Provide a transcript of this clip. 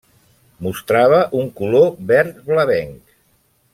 Mostrava un color verd blavenc.